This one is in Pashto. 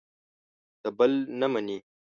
د بل نه مني.